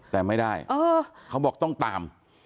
แต่ไม่ได้เขาบอกต้องตาม